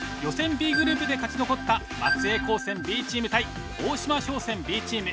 Ｂグループで勝ち残った松江高専Ｂチーム対大島商船Ｂチーム。